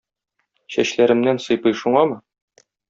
Чәчләремнән сыйпый шуңамы?